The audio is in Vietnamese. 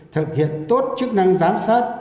thực hiện tốt chức năng giám sát